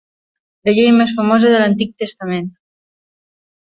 La llei més famosa de l'Antic Testament.